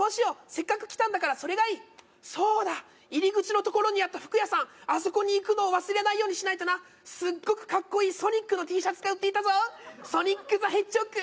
せっかく来たんだからそれがいいそうだ入り口のところにあった服屋さんあそこに行くのを忘れないようにしないとなすっごくカッコいいソニックのＴシャツが売っていたぞソニック・ザ・ヘッジホッグ